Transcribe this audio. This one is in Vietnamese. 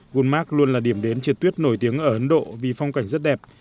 walmark luôn là điểm đến triệt tuyết nổi tiếng ở ấn độ vì phong cảnh rất đẹp